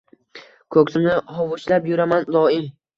Ko’ksimni hovuchlab yuraman doim.